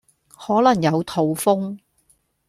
可能有肚風